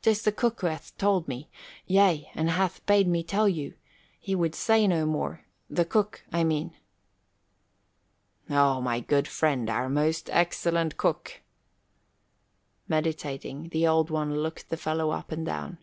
'Tis the cook who hath told me yea, and hath bade me tell you. He would say no more the cook, I mean." "Oh, my good friend, our most excellent cook!" Meditating, the Old One looked the fellow up and down.